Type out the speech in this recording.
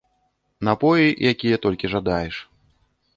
Напоі, якія толькі жадаеш.